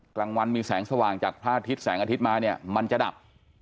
กลางวันมีแสงสว่างจากพระอาทิตย์แสงอาทิตย์มาเนี่ยมันจะดับ